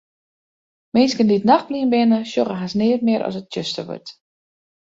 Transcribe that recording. Minsken dy't nachtblyn binne, sjogge hast neat mear as it tsjuster wurdt.